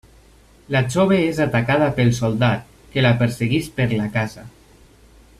La jove és atacada pel soldat, que la persegueix per la casa.